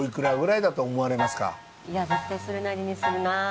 いや絶対それなりにするなぁ。